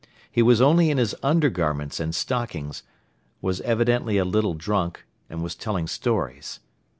He was only in his undergarments and stockings, was evidently a little drunk and was telling stories.